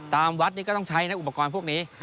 วัดนี้ก็ต้องใช้นะอุปกรณ์พวกนี้